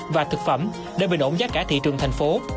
và thực phẩm để bình ổn giá cả thị trường thành phố